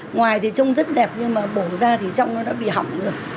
ngoài thì trông rất đẹp nhưng mà bổ ra thì trong nó đã bị hỏng rồi